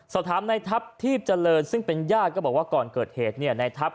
สอบถามในทัพทีพเจริญซึ่งเป็นญาติก็บอกว่าก่อนเกิดเหตุเนี่ยในทัพ